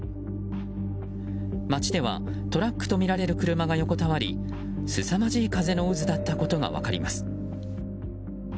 街ではトラックとみられる車が横たわりすさまじい風の渦だったことが分かります。